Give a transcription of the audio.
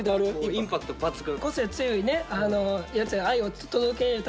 インパクト抜群。